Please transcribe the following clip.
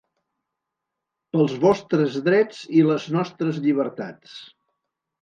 Pels vostres drets i les nostres llibertats.